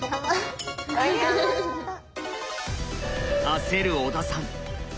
焦る小田さん。